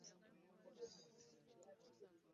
Enkalala z'ekibiina ze bakozesa mu kulonda kw'akamyufu.